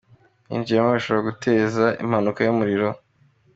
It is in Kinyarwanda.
yinjiyemo bishobora guteza impanuka y’umuriro.